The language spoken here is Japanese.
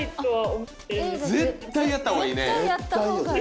絶対やった方がいいね。